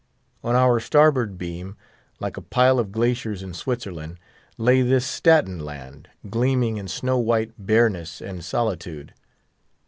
On our starboard beam, like a pile of glaciers in Switzerland, lay this Staten Land, gleaming in snow white barrenness and solitude.